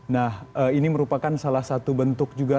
nah ini merupakan salah satu bentuk juga